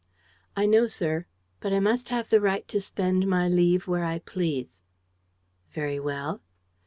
"I know, sir. But I must have the right to spend my leave where I please." "Very well."